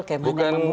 kem han yang membuat